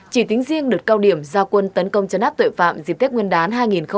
chỉ tính riêng đợt cao điểm giao quân tấn công chấn áp tội phạm dịp tết nguyên đán hai nghìn hai mươi bốn